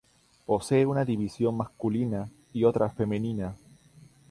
Posee una división masculina y otra femenina.